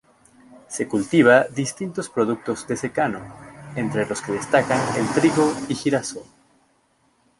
Se cultiva distintos productos de secano, entre los que destacan el trigo y girasol.